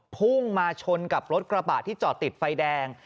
พุ่งมาชนกับรถกระบะที่จอดติดไฟแดง